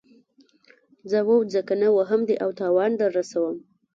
ځه ووځه کنه وهم دې او تاوان در رسوم.